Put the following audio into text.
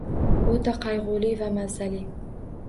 O'ta qayg'uli va mazali...